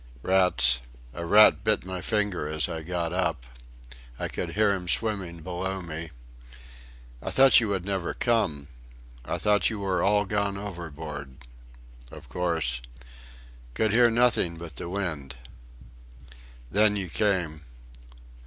Rats... a rat bit my finger as I got up.... I could hear him swimming below me.... I thought you would never come... I thought you were all gone overboard... of course... Could hear nothing but the wind.... Then you came...